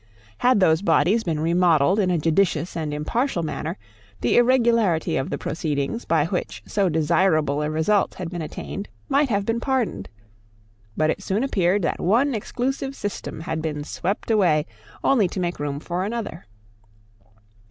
Had those bodies been remodelled in a judicious and impartial manner, the irregularity of the proceedings by which so desirable a result had been attained might have been pardoned. But it soon appeared that one exclusive system had been swept away only to make room for another.